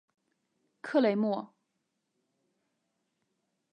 克雷莫。